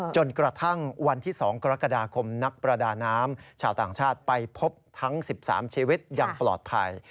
จนกระทั่งวันที่๒กรกฎาคมนักประดาน้ำชาวต่างชาติไปพบทั้ง๑๓ชีวิตอย่างปลอดภัย